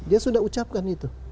dia sudah ucapkan itu